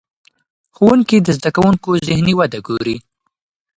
ښوونکي د زده کوونکو ذهني وده ګوري.